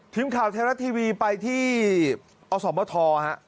ทีมข่าวแทรกทีวีไปที่อสมทฉ